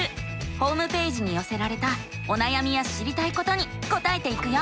ホームページによせられたおなやみや知りたいことに答えていくよ。